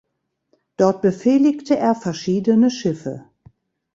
Dort befehligte er verschiedene Schiffe.